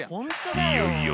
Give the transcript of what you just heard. ［いよいよ］